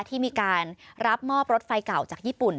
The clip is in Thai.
ที่มีการรับมอบรถไฟเก่าจากญี่ปุ่น